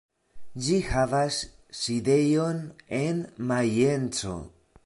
Ĝi havas sidejon en Majenco.